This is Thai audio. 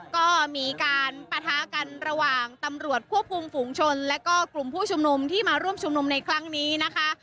ก็มีการปะทะกันระหว่างตำรวจควบคุมฝูงชนและก็กลุ่มผู้ชุมนุมที่มาร่วมชุมนุมในครั้งนี้นะคะ